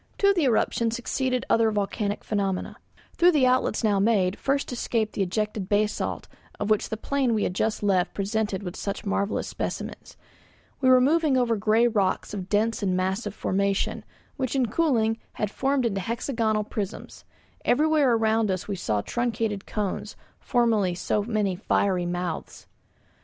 To the eruption succeeded other volcanic phenomena. Through the outlets now made first escaped the ejected basalt of which the plain we had just left presented such marvellous specimens. We were moving over grey rocks of dense and massive formation, which in cooling had formed into hexagonal prisms. Everywhere around us we saw truncated cones, formerly so many fiery mouths.